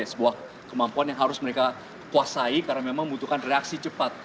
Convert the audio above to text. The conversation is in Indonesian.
sebuah kemampuan yang harus mereka kuasai karena memang membutuhkan reaksi cepat